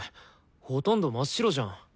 ほとんど真っ白じゃん。